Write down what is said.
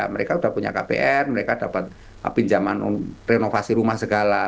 mereka sudah punya kpr mereka dapat pinjaman renovasi rumah segala